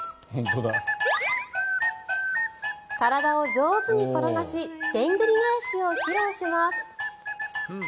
体を上手に転がしでんぐり返しを披露します。